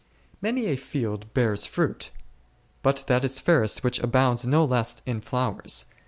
Many a field bears fruit, but that is fair est which abounds no less in flowers.